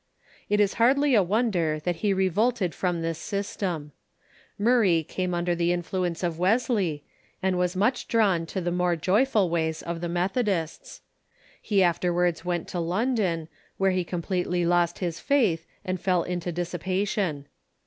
It is hardly a wonder that he revolted from this system. ]\[urray came under the influence of Wesley, and was much drawn to the more joyful ways of the Methodists. He afterwards went to London, where he completely lost his faith, and fell into dis sij^ation.